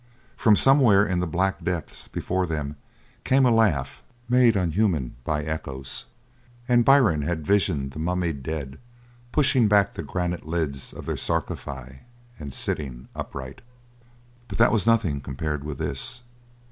From somewhere in the black depths before them came a laugh, made unhuman by echoes. And Byrne had visioned the mummied dead pushing back the granite lids of their sarcophagi and sitting upright. But that was nothing compared with this.